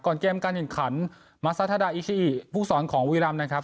ก่อนเกมการหยินขันพูกสอนของวีรัมนะครับ